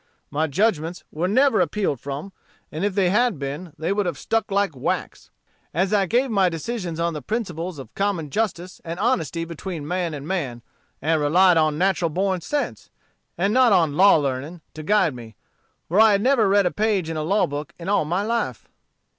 My judgments were never appealed from; and if they had been, they would have stuck like wax, as I gave my decisions on the principles of common justice and honesty between man and man, and relied on natural born sense, and not on law learning, to guide me; for I had never read a page in a law book in all my life."